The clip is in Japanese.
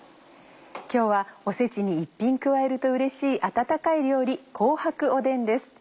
今日はおせちに一品加えるとうれしい温かい料理「紅白おでん」です。